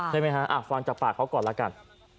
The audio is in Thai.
ใช่ไหมฮะฟังจากปากเขาก่อนแล้วกัน